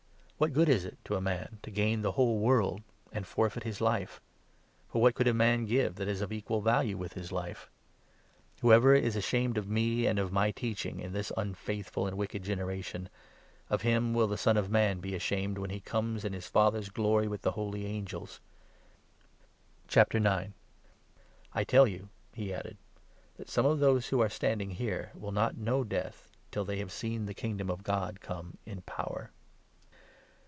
What good is it to a man to gain the whole 36 world and forfeit his life ? For what could a man give that is 37 of equal value with his life ? Whoever is ashamed of me and of 38 my teaching, in this unfaithful and wicked generation, of him will the Son of Man be ashamed, when he comes in his Father's Glory with the holy angels. I tell you," he added, i '' that some of those who are standing here will not know death, till they have seen the Kingdom of God come in power."